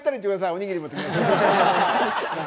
おにぎり持ってきます。